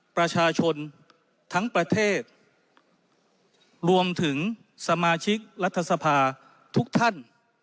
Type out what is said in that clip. ประชาชนทั้งประเทศรวมถึงสมาชิกรัฐสภาทุกท่าน